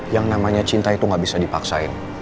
yang namanya cinta itu gak bisa dipaksain